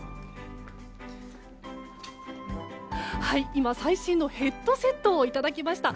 今、最新のヘッドセットをいただきました。